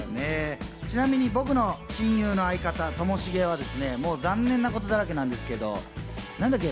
ちなみに僕の親友の相方・ともしげは残念な事だらけなんですけど、何だっけ？